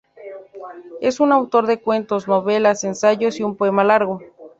Es autor de cuentos, novelas, ensayos y un poema largo.